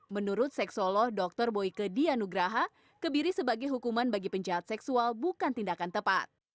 menurut seksoloh dr boyke dianugraha kebiri sebagai hukuman bagi penjahat seksual bukan tindakan tepat